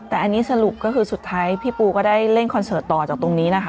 แต่อันนี้สรุปก็คือสุดท้ายพี่ปูก็ได้เล่นคอนเสิร์ตต่อจากตรงนี้นะคะ